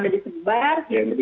akhirnya kita konfirmasi satu satu